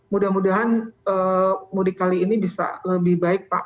mudah mudahan mudik kali ini bisa lebih baik pak